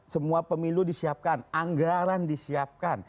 semua pemilu disiapkan anggaran disiapkan